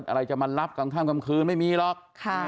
อะไรจะมารับกลางค่ำกลางคืนไม่มีหรอก